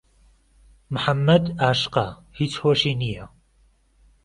محەممەد ئاشقه هیچ هۆشی نییه